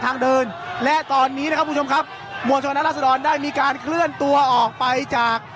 ทางเดินและตอนนี้นะครับคุณผู้ชมครับมวลชนรัศดรได้มีการเคลื่อนตัวออกไปจาก